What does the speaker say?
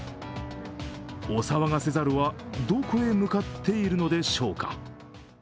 お騒がせ猿はどこへ向かっているのでしょうか。